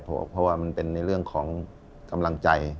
เพราะว่ามันเป็นในเรื่องของกำลังใจ